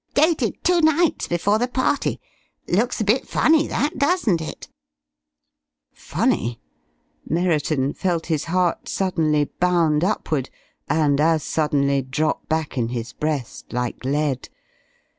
Dated two nights before the party. Looks a bit funny, that, doesn't it?" Funny? Merriton felt his heart suddenly bound upward, and as suddenly drop back in his breast like lead.